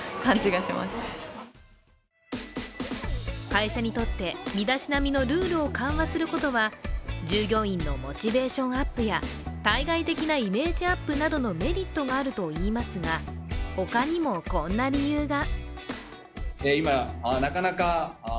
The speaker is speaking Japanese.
会社にとって身だしなみのルールを緩和することは従業員のモチベーションアップや対外的なイメージアップなどのメリットがあるといいますが他にもこんな理由が。